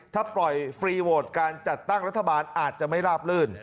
ถ้าปล่อยฟรีโวทการจัดตั้งรัฐบาลอาจจะไม่ลาบลื่น